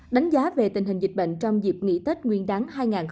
đánh giá về tình hình dịch bệnh trong dịp nghỉ tết nguyên đáng hai nghìn hai mươi bốn